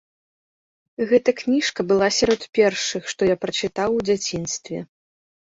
Гэта кніжка была сярод першых, што я прачытаў у дзяцінстве.